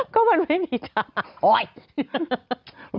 ก็มันไม่มีภาพ